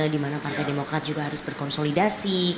dimana partai demokrat juga harus berkonsolidasi